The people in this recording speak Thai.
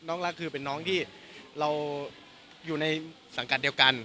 รักคือเป็นน้องที่เราอยู่ในสังกัดเดียวกัน